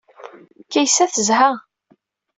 Kaysa tezha.